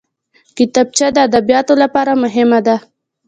کتابچه د ادبیاتو لپاره مهمه ده